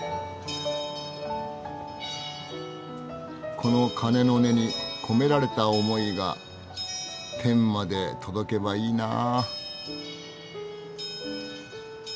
この鐘の音に込められた思いが天まで届けばいいなぁ。